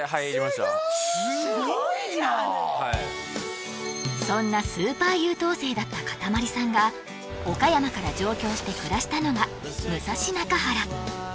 すごいなはいそんなスーパー優等生だったかたまりさんが岡山から上京して暮らしたのが武蔵中原